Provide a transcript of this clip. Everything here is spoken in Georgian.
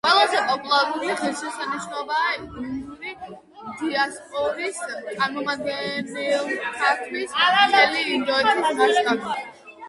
ყველაზე პოპულარული ღირსშესანიშნაობაა ინდური დიასპორის წარმომადგენელთათვის მთელი ინდოეთის მასშტაბით.